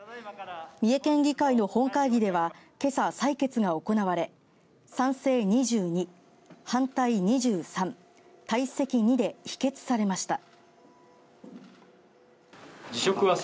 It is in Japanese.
三重県議会の本会議では今朝、採決が行われ賛成２２、反対２３、退席２で否決されました。